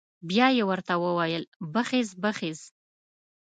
بيا یې ورته وويل بخېز بخېز.